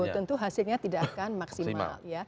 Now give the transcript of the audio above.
tentu hasilnya tidak akan maksimal